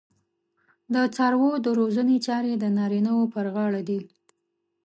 د څارویو د روزنې چارې د نارینه وو پر غاړه دي.